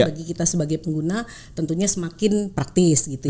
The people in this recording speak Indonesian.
bagi kita sebagai pengguna tentunya semakin praktis gitu ya